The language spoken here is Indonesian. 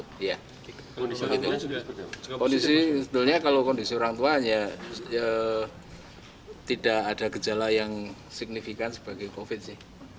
kondisi sebenarnya kalau kondisi orang tua ya tidak ada gejala yang signifikan sebagai covid sih